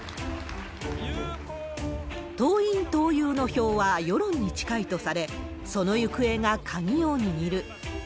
党員、党友の票は世論に近いとされ、その行方が鍵を握る。